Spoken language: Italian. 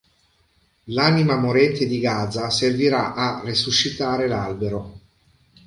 L'anima morente di Gaza servirà a resuscitare l'Albero.